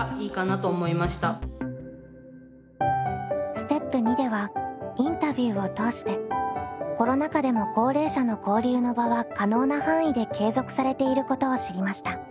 ステップ２ではインタビューを通してコロナ禍でも高齢者の交流の場は可能な範囲で継続されていることを知りました。